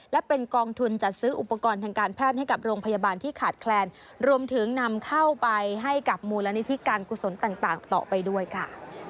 และเป็นกองทุนจัดซื้ออุปกรณ์ทางการแพทย์ให้กับโรงพยาบาลที่ขาดแคลนรวมถึงนำเข้าไปให้กับมูลนิธิการกุศลต่างต่อไปด้วยค่ะ